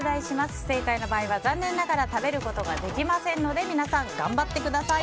不正解の場合は残念ながら食べることができませんので皆さん頑張ってください。